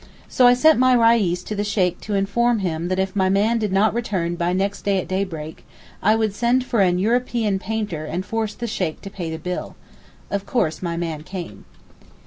So I sent up my Reis to the Sheykh to inform him that if my man did not return by next day at daybreak, I would send for an European painter and force the Sheykh to pay the bill. Of course my man came.